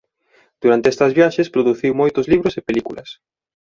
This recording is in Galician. Durante estas viaxes produciu moitos libros e películas.